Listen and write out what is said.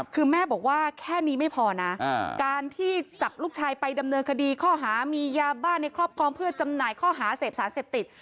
คือแม่บอกว่าแค่นี้ไม่พอนะการที่จับลูกชายไปดำเนินคดีข้อหามียาบ้านในครอบครองเพื่อจำหน่ายข้อหาเสพสารเสพติด